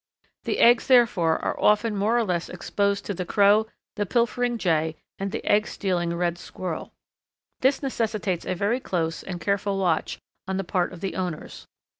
The eggs, therefore, are often more or less exposed to the Crow, the pilfering Jay, and the egg stealing red squirrel. This necessitates a very close and careful watch on the part of the owners.